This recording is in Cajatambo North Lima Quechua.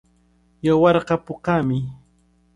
Yawarqa pukami.